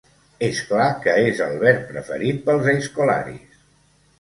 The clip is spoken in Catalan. És clar que és el verb preferit pels aizkolaris.